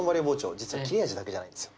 実は切れ味だけじゃないんですよ